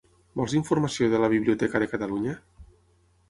Vols informació de la Biblioteca de Catalunya?